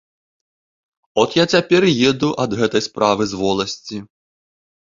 От я цяпер і еду ад гэтай справы з воласці.